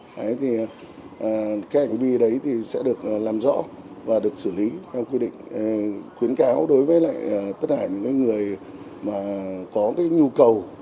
cái hành vi đấy thì sẽ được làm rõ và được xử lý theo quy định khuyến cáo đối với tất cả những người có nhu cầu